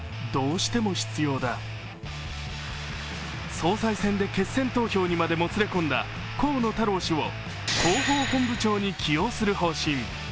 総裁選で決選投票にまでもつれ込んだ河野太郎氏を広報本部長に起用する方針。